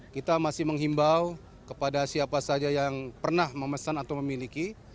kita masih menghimbau kepada siapa saja yang pernah memesan atau memiliki